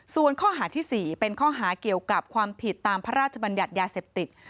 ส่วนข้อหาที่๔เป็นข้อหาเกี่ยวกับความผิดตามพระราชบัญญัติยาเสพติด